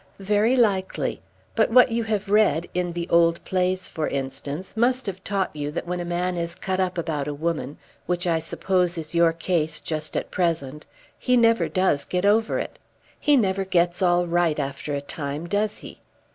"Very likely. But what you have read, in the old plays, for instance, must have taught you that when a man is cut up about a woman, which I suppose is your case just at present, he never does get over it. He never gets all right after a time, does he?